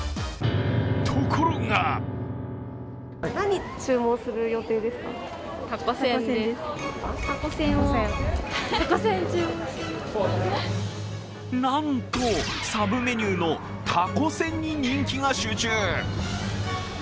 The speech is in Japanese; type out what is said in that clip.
ところがなんと、サブメニューのたこせんに人気が集中。